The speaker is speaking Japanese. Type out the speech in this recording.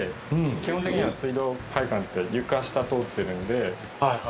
基本的には水道配管って床下通ってるので。